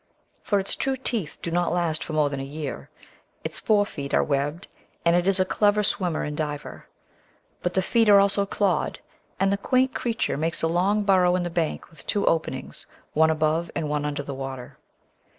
For its true teeth do not last for more than a year. Its fore feet are webbed, and it is a clever swimmer and diver. But the feet are also clawed, and the quaint creature makes a long burrow in the bank, with two openings, one above and one under the water.